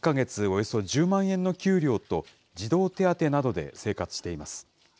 およそ１０万円の給料と児童手当などで生活しています。